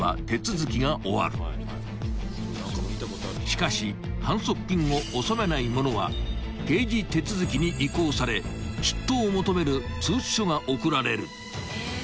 ［しかし反則金を納めない者は刑事手続きに移行され出頭を求める通知書が送られる］